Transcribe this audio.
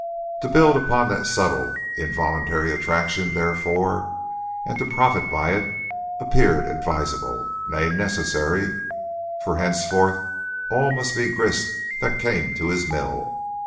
To build upon that subtle, involuntary attraction, therefore, and to profit by it, appeared advisable, nay, necessary, for henceforth all must be grist that came to his mill.